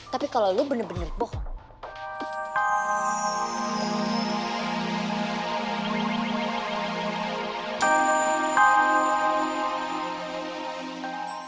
tapi kalau lo bener bener bohong